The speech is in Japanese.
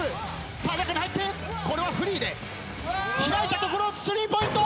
さあ中に入ってこれはフリーでひらいたところをスリーポイント！